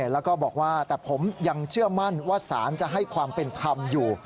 แล้วก็บอกว่าแต่ผมยังเชื่อมั่นว่าสารจะให้ความเป็นธรรมอยู่